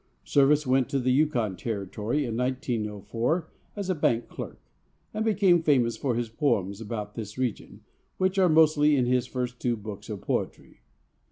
Service went to the Yukon Territory in 1904 as a bank clerk, and became famous for his poems about this region, which are mostly in his first two books of poetry.